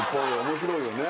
面白いよね